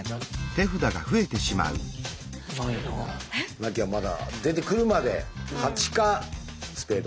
なきゃまだ出てくるまで８かスペード。